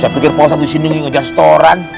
saya pikir pak ustadz di sini ngejar setoran